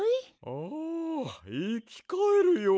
ああいきかえるようだわ。